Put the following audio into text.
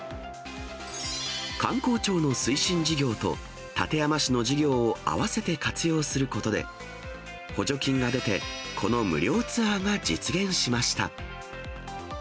観光庁の推進事業と館山市の事業を合わせて活用することで、補助金が出て、この無料ツアーが実現しました。